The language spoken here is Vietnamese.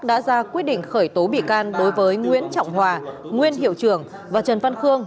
đã ra quyết định khởi tố bị can đối với nguyễn trọng hòa nguyên hiệu trưởng và trần văn khương